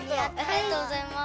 ありがとうございます。